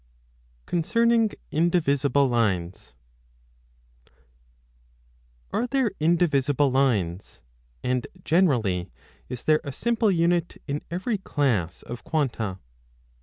CONCERNING INDIVISIBLE LINES 968* ARE there indivisible lines? And, generally, is there a simple unit in every class of quanta